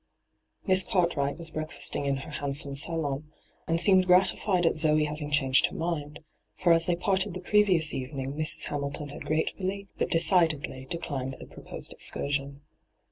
Miss Cartwright was breakfasting in her handsome salon, and seemed gratified at Zoe having changed her mind, for as they parted the previous evening Mrs. Hamilton had gratefiilly but decidedly declined the proposed excursion.